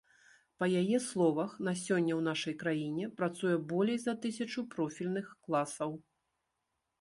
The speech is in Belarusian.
Па яе словах, на сёння ў нашай краіне працуе болей за тысячу профільных класаў.